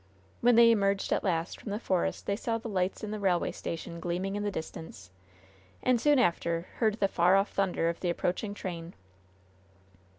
When they emerged at last from the forest they saw the lights in the railway station gleaming in the distance, and soon after heard the far off thunder of the approaching train.